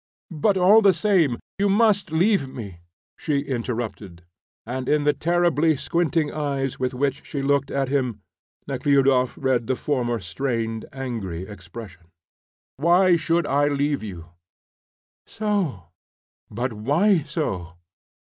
"But all the same, you must leave me," she interrupted, and in the terribly squinting eyes with which she looked at him Nekhludoff read the former strained, angry expression. "Why should I leave you?" "So." "But why so?"